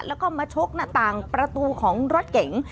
แล้วก็มาชกหน้าต่างประตูของรถเก๋ง